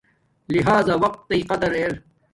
لہزا وقت تݵ قرد ار